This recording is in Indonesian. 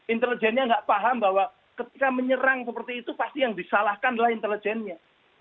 intelijennya nggak paham bahwa ketika menyerang seperti itu pasti yang disalahkan adalah intelijennya